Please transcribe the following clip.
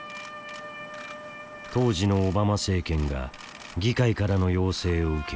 当時のオバマ政権が議会からの要請を受け